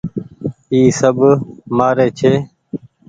اي سب مهآري ڇي